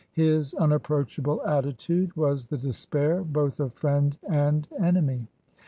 His unapproachable attitude was the despair both of friend and enemy.